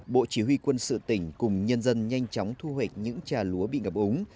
bộ chỉ huy quân sự tỉnh cùng nhân dân nhanh chóng thu hệt những trà lúa bị ngập ống